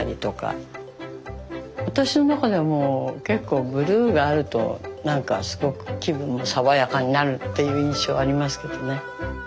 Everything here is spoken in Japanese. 私の中では結構ブルーがあるとなんかすごく気分が爽やかになるっていう印象ありますけどね。